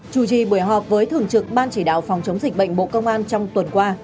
chủ trì buổi họp với thường trực ban chỉ đạo phòng chống dịch bệnh bộ công an trong tuần qua